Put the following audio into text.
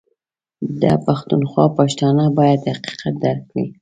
ده پښتونخوا پښتانه بايد حقيقت درک کړي